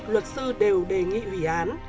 luật sư đều đề nghị ủy án